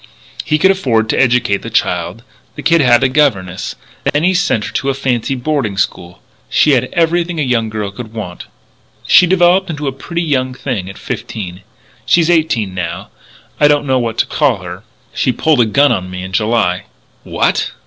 "He could afford to educate the child. The kid had a governess. Then he sent her to a fancy boarding school. She had everything a young girl could want. "She developed into a pretty young thing at fifteen.... She's eighteen now and I don't know what to call her. She pulled a gun on me in July." "What!"